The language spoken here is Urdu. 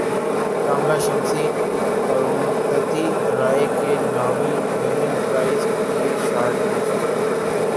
کاملہ شمسی اروندھتی رائے کے ناول ویمن پرائز کیلئے شارٹ لسٹ